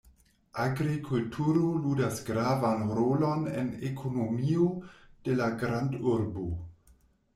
Agrikulturo ludas gravan rolon en ekonomio de la grandurbo.